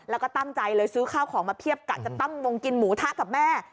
แล้วก็ตั้งใจเลยซื้อข้าวของมาเพียบกะจะตั้งวงกินหมูทะกับแม่